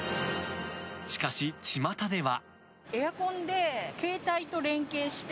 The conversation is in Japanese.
しかし、ちまたでは。